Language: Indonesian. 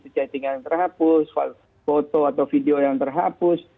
jadinya yang terhapus foto atau video yang terhapus